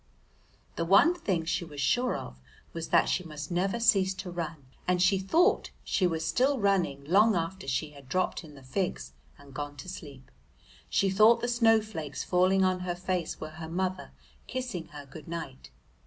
The one thing she was sure of was that she must never cease to run, and she thought she was still running long after she had dropped in the Figs and gone to sleep. She thought the snowflakes falling on her face were her mother kissing her good night.